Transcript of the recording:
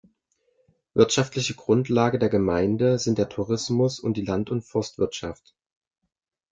Wirtschaftliche Grundlage der Gemeinde sind der Tourismus und die Land- und Forstwirtschaft.